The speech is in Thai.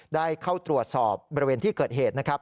ได้เข้าตรวจสอบบริเวณที่เกิดเหตุนะครับ